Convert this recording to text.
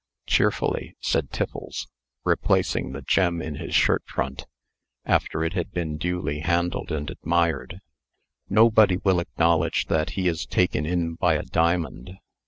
"Cheerfully," said Tiffles, replacing the gem in his shirt front, after it had been duly handled and admired. "Nobody will acknowledge that he is taken in by a diamond.